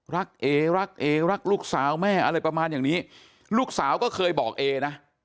เอรักเอรักลูกสาวแม่อะไรประมาณอย่างนี้ลูกสาวก็เคยบอกเอนะ